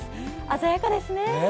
鮮やかですね。